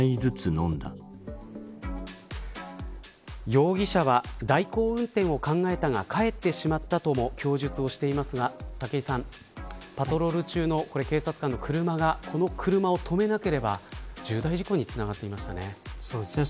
容疑者は代行運転を考えたが帰ってしまったとも供述をしていますが武井さん、パトロール中の警察官の車がこの車を止めなければ重大事故につながってましたね。